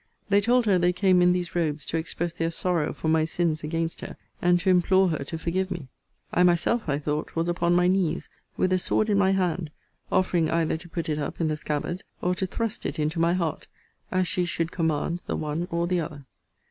They told her they came in these robs to express their sorrow for my sins against her, and to implore her to forgive me. 'I myself, I thought, was upon my knees, with a sword in my hand, offering either to put it up in the scabbard, or to thrust it into my heart, as she should command the one or the other.